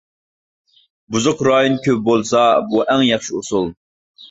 بۇزۇق رايون كۆپ بولسا بۇ ئەڭ ياخشى ئۇسۇل.